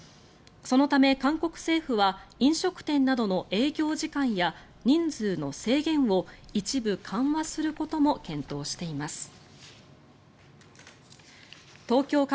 そのため韓国政府は飲食店などの営業時間や人数の制限を一部緩和することも検討しています。